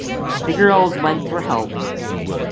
The girls went for help.